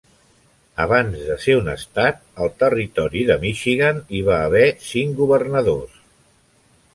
Abans de ser un estat, al Territori de Michigan hi va haver cinc governadors.